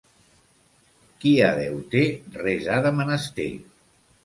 Qui a Déu té, res ha de menester.